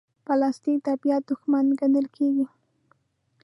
پلاستيک د طبیعت دښمن ګڼل کېږي.